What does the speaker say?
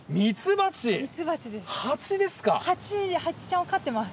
ハチハチちゃんを飼ってます。